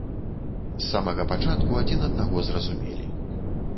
З самага пачатку адзін аднаго зразумелі.